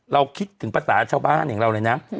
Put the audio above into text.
เราคิดถึงประสาทชาวบ้านอย่างเราเลยนะ